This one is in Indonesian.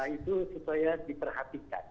itu supaya diperhatikan